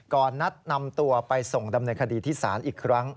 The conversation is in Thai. ก่อนนัดนำตัวไปส่งดำเนินคดีที่ศาลอีกครั้ง